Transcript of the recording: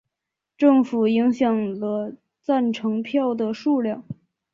政府影响了赞成票的数量。